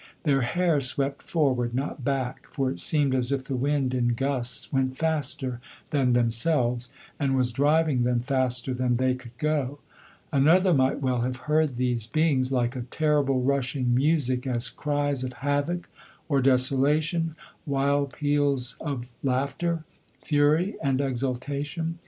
Their hair swept forward, not back; for it seemed as if the wind in gusts went faster than themselves, and was driving them faster than they could go. Another might well have heard these beings like a terrible, rushing music, as cries of havoc or desolation, wild peals of laughter, fury and exultation.